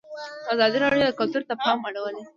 ازادي راډیو د کلتور ته پام اړولی.